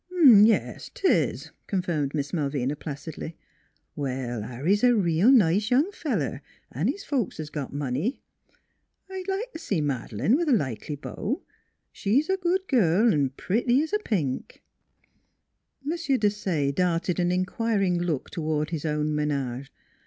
"Yes; 'tis," confirmed Miss Malvina placidly. " Well, Harry's a reel nice young feller, an' his folks has got money; I'd like t' see Mad'lane with a likely beau. She's a good girl V pretty 's a pink." M. Desaye darted an inquiring look toward his own menage.